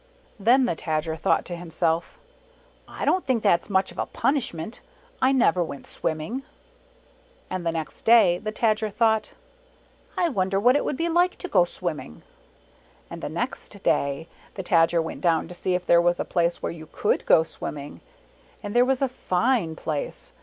Then the Tajer thought to himself, "I don't think that's much of a punishment. I never went swimming.'' And the next day the Tadger thought, " I wonder what it would be like to go swimming! " And the next day the Tajer went down to see if there was a place where you could go swimming, and there was a fine place.